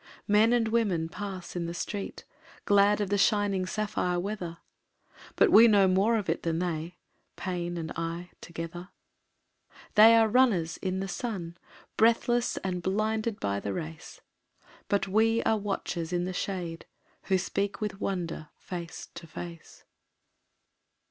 Men and women pass in the street Glad of the shining sapphire weather, But we know more of it than they, Pain and I together. They are the runners in the sun, Breathless and blinded by the race, But we are watchers in the shade Who speak with Wonder face to face.